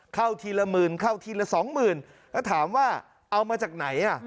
ทีละหมื่นเข้าทีละสองหมื่นแล้วถามว่าเอามาจากไหนอ่ะ